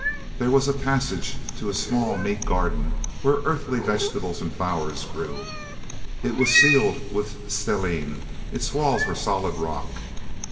There was a passage to a small, neat garden, where Earthly vegetables and flowers grew. It was ceiled with stellene; its walls were solid rock.